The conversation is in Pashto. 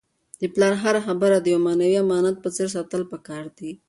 د پلار هره خبره د یو معنوي امانت په څېر ساتل پکار دي.